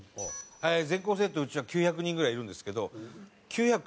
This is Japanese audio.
全校生徒うちは９００人ぐらいいるんですけど９００